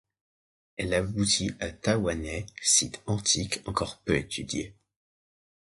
Elle aboutit à Thawwaneh, site antique encore peu étudié.